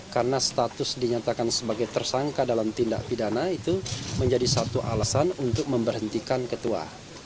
karena status dinyatakan sebagai tersangka dalam tindak pidana itu menjadi satu alasan untuk memberhentikan ketua